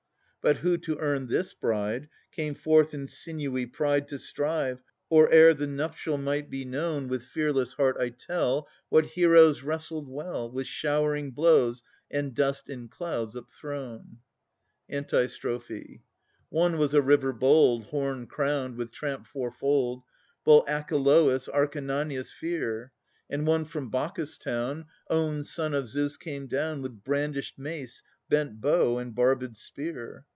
But who, to earn this bride, Came forth in sinewy pride To strive, or e'er the nuptial might be known With fearless heart I tell What heroes wrestled well, With showering blows, and dust in clouds upthrown. One was a river bold, I 2 Horn crowned, with tramp fourfold, Bull Achelôüs, Acarnania's Fear; And one from Bacchus' town, Own son of Zeus, came down, With brandished mace, bent bow, and barbèd spear.